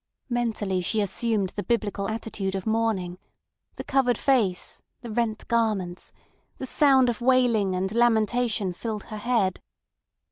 Mentally she assumed the biblical attitude of mourning—the covered face, the rent garments; the sound of wailing and lamentation filled her head.